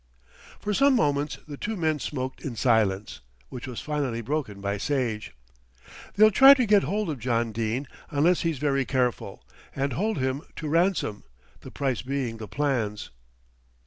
For some moments the two men smoked in silence, which was finally broken by Sage. "They'll try to get hold of John Dene, unless he's very careful, and hold him to ransom, the price being the plans."